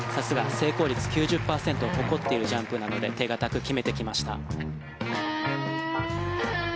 成功率９０％を誇っているジャンプなので手堅く決めてきました。